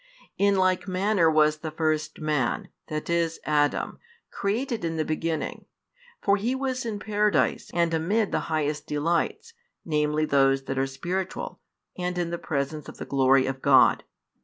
In like manner was the first man, that is, Adam, created in the beginning. For he was in Paradise, and amid the highest delights, namely those that are spiritual, and in the presence of the glory of God.